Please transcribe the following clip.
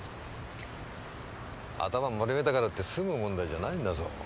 頭を丸めたからって済む問題じゃないんだぞ！